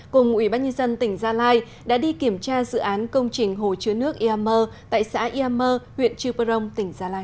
cùng ubnd tỉnh gia lai đã đi kiểm tra dự án công trình hồ chứa nước iamer tại xã iamer huyện chiu perong tỉnh gia lai